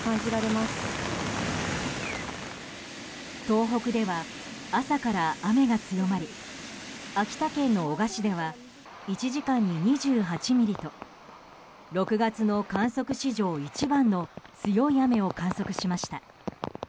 東北では朝から雨が強まり秋田県の男鹿市では１時間に２８ミリと６月の観測史上一番の強い雨を観測しました。